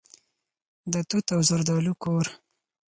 د توت او زردالو کور.